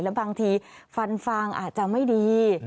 แล้วบางทีฟันฟางอาจจะไม่ดี